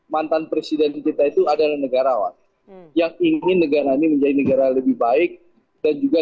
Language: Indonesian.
mantan presiden kita itu adalah negarawan yang ingin negara ini menjadi negara lebih baik dan juga